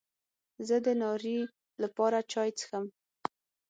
زه د ناري لپاره چای څښم.